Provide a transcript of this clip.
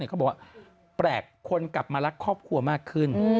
เขาบอกว่าแปลกคนกลับมารักครอบครัวมากขึ้น